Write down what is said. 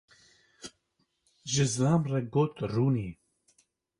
....’’, ji zilam re got: “rûnê”.